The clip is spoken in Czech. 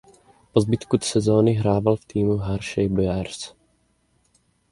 Po zbytek sezóny hrával v týmu Hershey Bears.